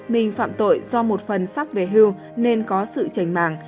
mình phạm tội do một phần sắp về hưu nên có sự trành mạng